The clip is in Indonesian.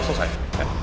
aku mau pergi